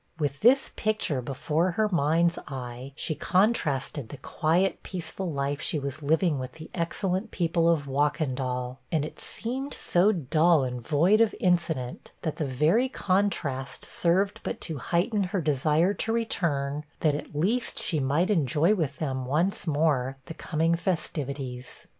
With this picture before her mind's eye, she contrasted the quiet, peaceful life she was living with the excellent people of Wahkendall, and it seemed so dull and void of incident, that the very contrast served but to heighten her desire to return, that, at least, she might enjoy with them, once more, the coming festivities.